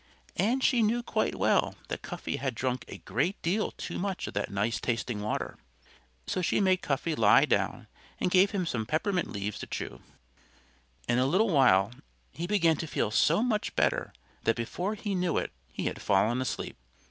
And she knew quite well that Cuffy had drunk a great deal too much of that nice tasting water. So she made Cuffy lie down and gave him some peppermint leaves to chew. In a little while he began to feel so much better that before he knew it he had fallen asleep.